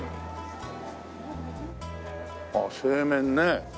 ああ製麺ね。